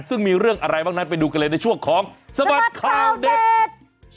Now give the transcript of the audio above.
ซึ่งมีเรื่องอะไรบ้างนั้นไปดูกันเลยในช่วงของสบัดข่าวเด็ก